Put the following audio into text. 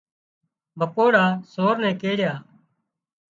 مڪوڙا سور نين ڪيڙيا